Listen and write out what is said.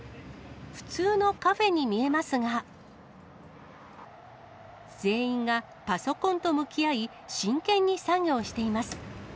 普通のカフェに見えますが、全員がパソコンと向き合い、真剣に作業しています。